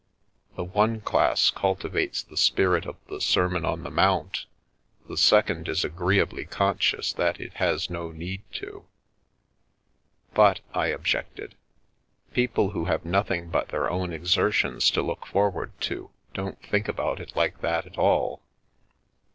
The one class cultivates the spirit of the Sermon on the Mount, the second is agreeably conscious that it has no need to." " But," I objected, " people who have nothing but their own exertions to look forward to don't think about it like that at all.